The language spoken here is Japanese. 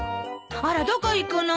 あらどこ行くの？